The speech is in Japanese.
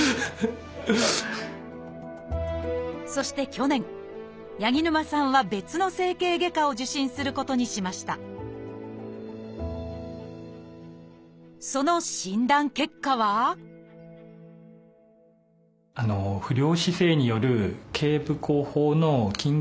そして去年八木沼さんは別の整形外科を受診することにしましたその診断結果は不良姿勢による頚部後方の筋緊張